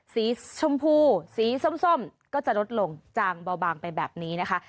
สีชมพูสีส้มก็จะลดลงจางเบาบางไปแบบนี้นะคะ